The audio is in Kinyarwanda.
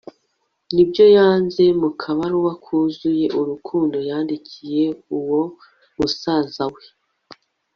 nibyo yanze mu kabaruwa kuzuye urukundo yandikiye uwo musaza we